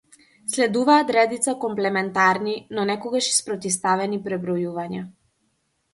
Следуваат редица комплементарни, но некогаш и спротивставени пребројувања.